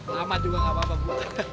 lama juga gak apa apa bu